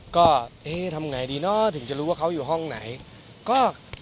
ก็เอ๊ะทำไงดีเนาะถึงจะรู้ว่าเขาอยู่ห้องไหน